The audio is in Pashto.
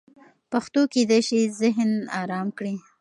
پښتو کېدای سي ذهن ارام کړي.